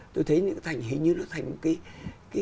tôi thấy hình như nó thành một cái